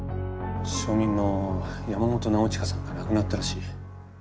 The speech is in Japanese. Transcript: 証人の山本尚親さんが亡くなったらしい。